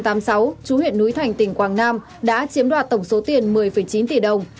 trú huyện núi thành tỉnh quảng nam đã chiếm đoạt tổng số tiền một mươi chín tỷ đồng